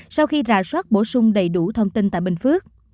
sau khi rà soát bổ sung đầy đủ thông tin tại bình phước